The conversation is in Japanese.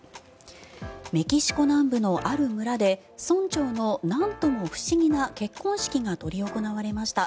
メキシコ南部のある村で村長のなんとも不思議な結婚式が執り行われました。